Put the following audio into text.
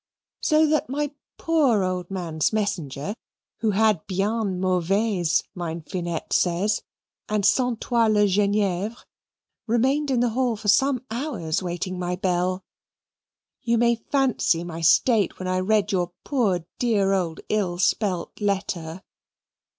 So that my poor old man's messenger, who had bien mauvaise mine Finette says, and sentoit le Genievre, remained in the hall for some hours waiting my bell. You may fancy my state when I read your poor dear old ill spelt letter.